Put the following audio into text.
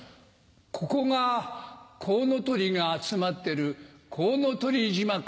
ここがコウノトリが集まってるコウノトリ島か。